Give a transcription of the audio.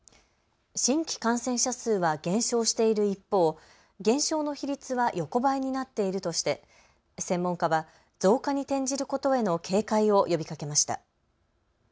新規感染者数は減少している一方、減少の比率は横ばいになっているとして専門家は増加に転じることへの警戒を呼びかけました。